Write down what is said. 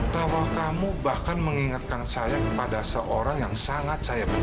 tawah kamu bahkan mengingatkan saya kepada seorang yang sangat saya pikir